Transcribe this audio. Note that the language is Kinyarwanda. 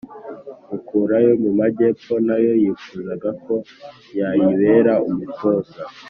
mukurayo mu majyepfo, na yo yifuzaga ko yayibera umutoza.